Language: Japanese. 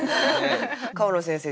川野先生